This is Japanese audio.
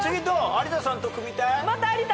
有田さんと組みたい？